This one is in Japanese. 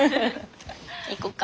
行こっか。